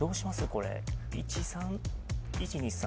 これ１３１２３